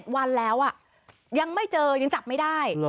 วันแล้วยังไม่เจอยังจับไม่ได้